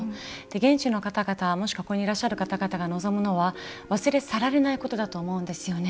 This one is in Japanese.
現地の方々もしくはここにいらっしゃる方々が望むのは忘れ去られないことだと思うんですよね。